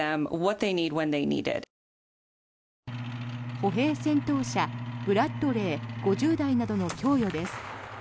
歩兵戦闘車、ブラッドレー５０台などの供与です。